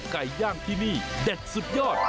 ไก่ย่างที่นี่เด็ดสุดยอด